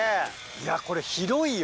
いやこれ広いよ。